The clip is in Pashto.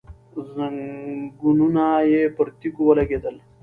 ځنګنونه یې پر تيږو ولګېدل.